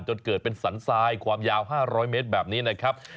จนเกิดเป็นสันทรายความยาว๕๐๐เมตรแบบนี้นะครับ